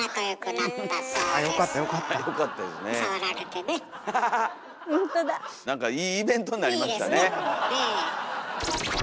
なんかいいイベントになりましたね。